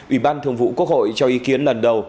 ủy ban thường vụ quốc hội cho ý kiến lần đầu